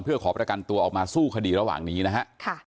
เพื่อขอประกันตัวออกมาสู้คดีระหว่างนี้นะฮะ